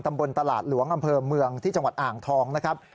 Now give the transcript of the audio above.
ตำบลตลาดหลวงอำเภอเมืองที่จังหวัดอ่างทองนะครับ